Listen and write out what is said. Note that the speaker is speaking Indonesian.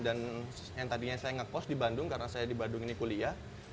dan yang tadinya saya ngekos di bandung karena saya di bandung ini kuliah